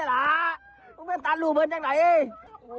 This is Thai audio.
มึงไม่ตันรู้มันจากไหน